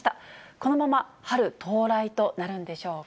このまま春到来となるんでしょうか。